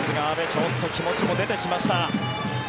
ちょっと気持ちも出てきました。